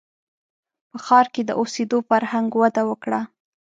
• په ښار کې د اوسېدو فرهنګ وده وکړه.